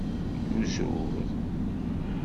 Yuzur.